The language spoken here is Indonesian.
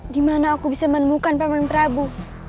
dimana aku bisa menemukan paman prabu